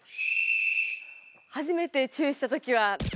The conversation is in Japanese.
初めてチューした時は。